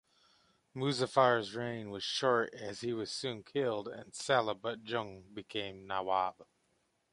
Muzaffar's reign was short as he was soon killed, and Salabat Jung became Nawab.